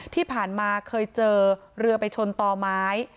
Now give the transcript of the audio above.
ที่ผ่านมาเคยเจอเรือไปชนต่อไม้